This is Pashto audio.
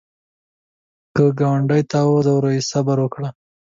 که ګاونډي تا وځوروي، صبر وکړه